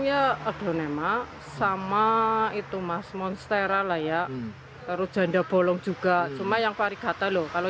nyokap adonema sama itu mas monstera layak harus janda bolong juga cuma yang parigata loh kalau